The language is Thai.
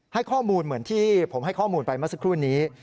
ให้ข้อมูลเหมือนที่ผมให้ข้อมูลไปเมื่อสักครู่นี้